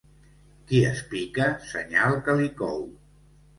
Qui es pica, senyal que li cou.